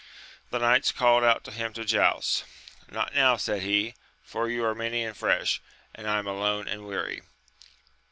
The knights called out to him to joust. Not now, said he, for you are many and fresh, and I am alone and weary.